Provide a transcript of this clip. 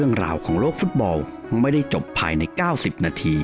สวัสดีครับ